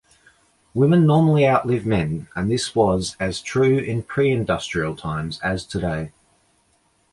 Women normally outlive men, and this was as true in pre-industrial times as today.